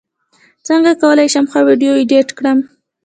څنګه کولی شم ښه ویډیو ایډیټ کړم